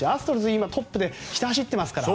今トップでひた走っていますから。